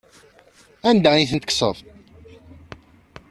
Anda ay ten-tekkseḍ?